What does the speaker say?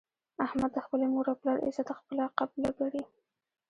احمد د خپلې مور او پلار عزت خپله قبله ګڼي.